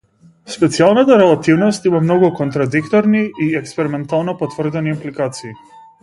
Специјалната релативност има многу контрадикторни и експериментално потврдени импликации.